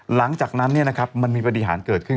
หลังจากนั้นมันมีปฏิหารเกิดขึ้น